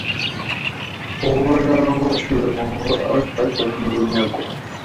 uhoraho, cyura amahoro abacu bajyanywe bunyago